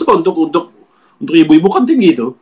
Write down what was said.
tapi kan itu untuk ibu ibu kan tinggi tuh